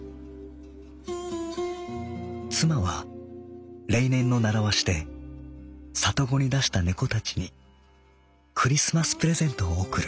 「妻は例年のならわしで里子にだした猫たちにクリスマスプレゼントを贈る。